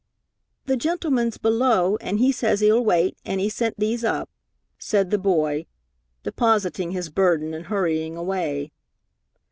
"The gentleman's below, an' he says he'll wait, an' he sent these up," said the boy, depositing his burden and hurrying away.